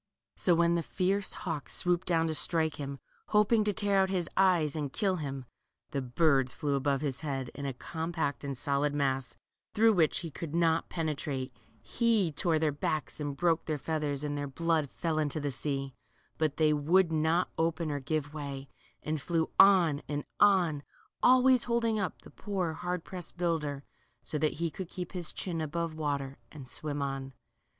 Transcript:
So when the fierce hawk swooped down to strike him, hoping to tear out his eyes and kill him, the birds flew above his head in a compact and* solid mass, through which he could not penetrate. He 130 LITTLE GURLT. tore their backs and broke their feathers^ and their blood fell into the sea, but they would not open or give way, and flew on and on, always holding up the poor, hard pressed builder, so that he could keep his chin above water and swim on.